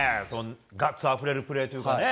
ガッツあふれるプレーというか。